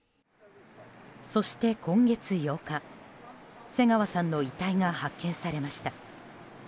そして今月８日、瀬川さんの遺体が発見されました。